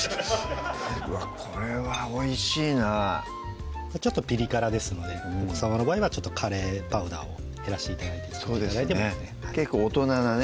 うわっこれはおいしいなちょっとピリ辛ですのでお子さまの場合はカレーパウダーを減らして頂いて作って頂いてもいいですね結構大人なね